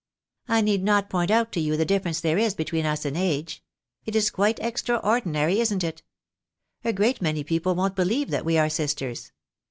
I need not point out to you the diiference there is between us in age ; it is quite extraordinary, isn't it ? A great many people won't believe that we are sisters.